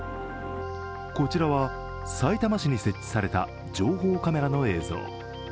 こちらは、さいたま市に設置された情報カメラの映像。